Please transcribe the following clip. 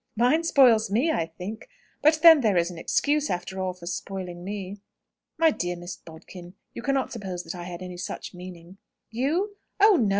"Mine spoils me, I think. But then there is an excuse, after all, for spoiling me." "My dear Miss Bodkin, you cannot suppose that I had any such meaning." "You? Oh, no!